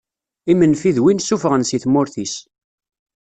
Imenfi d win sufɣen si tmurt-is.